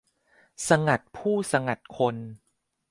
สงัดผู้สงัดคน